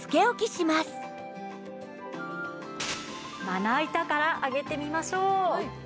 まな板から上げてみましょう。